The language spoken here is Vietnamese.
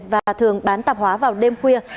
và thường bán tạp hóa vào đêm khuya